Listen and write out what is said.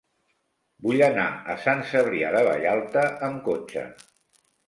Vull anar a Sant Cebrià de Vallalta amb cotxe.